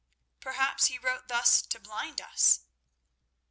"Perhaps he wrote thus to blind us."